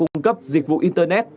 và cung cấp dịch vụ internet